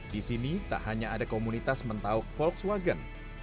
di sini tak hanya ada komunitas mentauk volkswagen